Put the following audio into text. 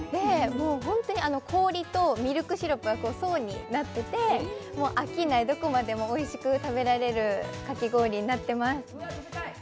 本当に氷とミルクシロップが層になっていて飽きない、どこまでもおいしく食べられるかき氷になってます。